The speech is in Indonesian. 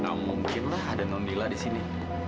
kamu mungkin ada nomila di sini